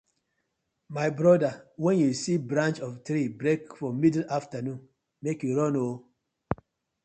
My bother wen yu see branch of tree break for middle afternoon mek yu run ooo.